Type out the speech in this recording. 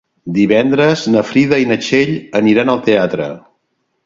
Divendres na Frida i na Txell aniran al teatre.